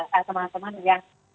kekerasan yang kuat bahwa di indonesia